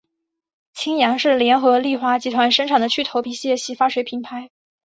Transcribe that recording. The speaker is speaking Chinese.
清扬是联合利华集团生产的去头皮屑洗发水品牌。